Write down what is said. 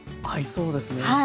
合いそうですね。